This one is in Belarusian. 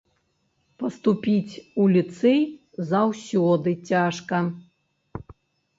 Паступіць у ліцэй заўсёды цяжка.